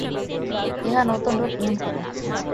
ইহা নূতন রূপ গ্রহণ করে।